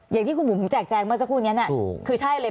อย่างที่คุณบุ๋มแจกแจงเมื่อสักครู่นี้คือใช่เลย